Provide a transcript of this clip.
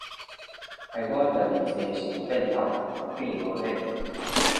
害我十二生相變透透嘛變無撚